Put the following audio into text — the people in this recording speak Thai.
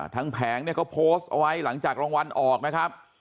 แผงเนี่ยเขาโพสต์เอาไว้หลังจากรางวัลออกนะครับ